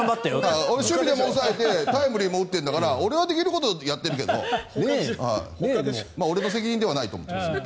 守備でも抑えてタイムリーも打ってるんだから俺はできることをやっているけど俺の責任ではないと思っています。